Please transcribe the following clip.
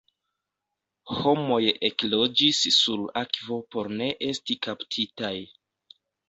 Homoj ekloĝis sur akvo por ne esti kaptitaj.